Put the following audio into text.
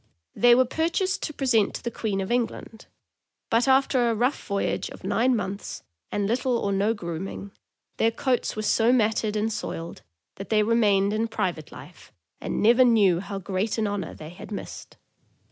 They were purchased to present to the Queen of England; but after a rough voyage of nine months, and little or no grooming, their coats were so matted and soiled that they remained in private life, and never knew how great an honor they had missed!